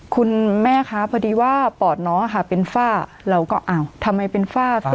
คุณแม่คะพอดีว่าปอดน้องค่ะเป็นฝ้าเราก็อ้าวทำไมเป็นฝ้า